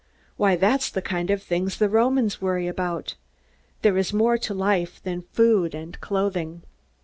Why, that's the kind of thing the Romans worry about. There is more to life than food and clothing."